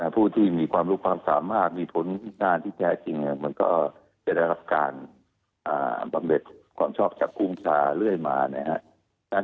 ผู้ที่มีความรู้ความสามารถมีผลงานที่แท้จริงมันก็จะได้รับการบำเด็ดความชอบจากกุ้งชาเรื่อยมานะครับ